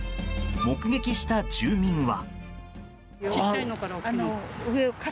目撃した住民は。